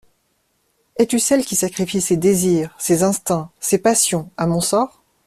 Es-tu celle qui sacrifie ses désirs, ses instincts, ses passions à mon sort?